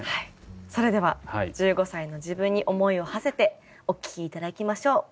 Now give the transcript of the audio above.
それでは１５歳の自分に思いをはせてお聴き頂きましょう。